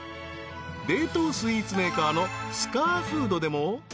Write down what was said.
［冷凍スイーツメーカーのスカーフードでも］